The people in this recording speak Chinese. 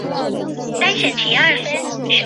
那对情侣有两张票